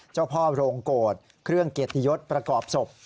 เจ้าพ่อโรงโกรธเครื่องเกียรติยศประกอบศพ